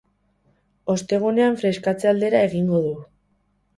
Ostegunean freskatze aldera egingo du.